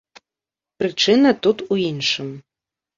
Прычына тут у іншым.